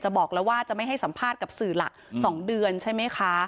บอกแล้วว่าจะไม่ให้สัมภาษณ์กับสื่อหลัก๒เดือนใช่ไหมคะ